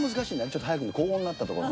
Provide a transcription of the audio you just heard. ちょっと高音になったところ。